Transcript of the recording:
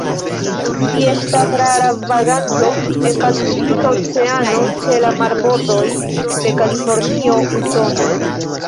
Ĝi estas rara vaganto en Pacifika Oceano ĉe la marbordoj de Kalifornio, Usono.